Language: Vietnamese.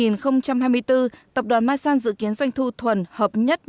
năm hai nghìn hai mươi bốn tập đoàn masan dự kiến doanh thu thuần hợp nhất